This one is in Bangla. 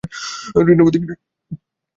রঘুপতি ঘৃণায় কুঞ্চিত হইয়া কহিলেন, ছি ছি!